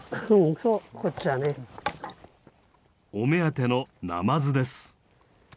お目当てのナマズです。